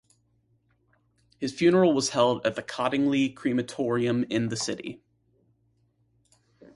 His funeral was held at the Cottingley Crematorium in the city.